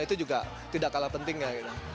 itu juga tidak kalah pentingnya